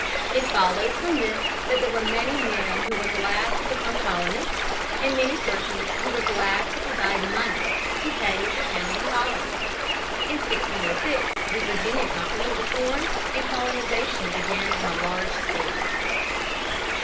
It followed, from this, that there were many men who were glad to become colonists, and many persons who were glad to provide money to pay for founding colonies. In 1606 the Virginia Company was formed and colonization began on a large scale.